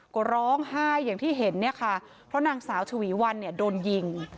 ก็ร้องไห้อย่างที่เห็นเนี่ยค่ะเพราะนางสาวชวีวันเนี่ยโดนยิง